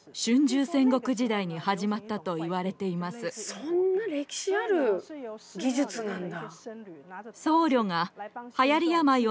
そんな歴史ある技術なんだ。